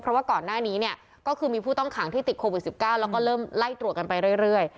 เพราะว่าก่อนหน้านี้เนี่ยก็คือมีผู้ต้องขังที่ติดโควิด๑๙แล้วก็เริ่มไล่ตรวจกันไปเรื่อย